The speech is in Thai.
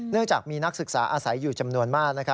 จากมีนักศึกษาอาศัยอยู่จำนวนมาก